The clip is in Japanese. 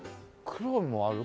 黒もある。